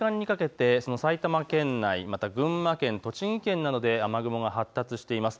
この時間にかけて埼玉県内、また群馬県、栃木県などで雨雲が発達しています。